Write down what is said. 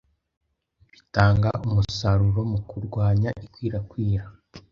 bitanga umusaruro mu kurwanya ikwirakwira